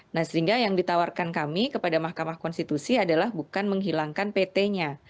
nah sehingga yang ditawarkan kami kepada mahkamah konstitusi adalah bukan menghilangkan pt nya